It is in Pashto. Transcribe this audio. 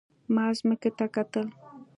ما ځمکې ته کتل.